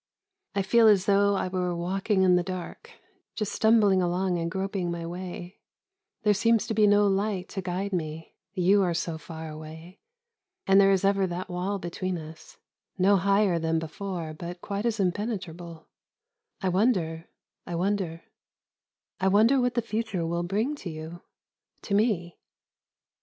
I feel as though I were walking in the dark, just stumbling along and groping my way there seems to be no light to guide me you are so far away, and there is ever that wall between us, no higher than before, but quite as impenetrable I wonder, I wonder, I wonder what the future will bring to you, to me."